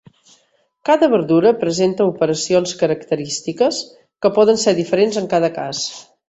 Cada verdura presenta operacions característiques que poden ser diferents en cada cas.